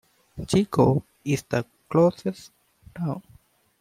Chico is the closest town.